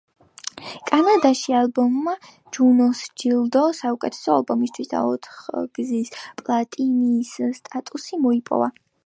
კანადაში ალბომმა ჯუნოს ჯილდო საუკეთესო ალბომისთვის და ოთხგზის პლატინის სტატუსი მოიპოვა.